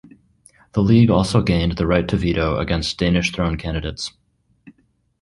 The league also gained the right to veto against Danish throne candidates.